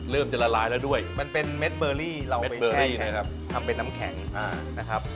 จะละลายแล้วด้วยมันเป็นเม็ดเบอร์รี่เราเอาไปแช่นะครับทำเป็นน้ำแข็งนะครับ